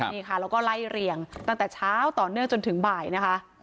นี่ค่ะแล้วก็ไล่เรียงตั้งแต่เช้าต่อเนื่องจนถึงบ่ายนะคะ